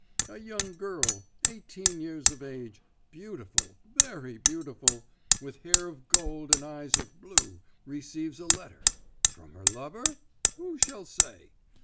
A young girl, eighteen years of age, beautiful, very beautiful, with hair of gold and eyes of blue, receives a letter. From her lover? Who shall say?